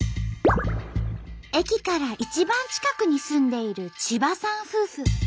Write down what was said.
駅から一番近くに住んでいる千葉さん夫婦。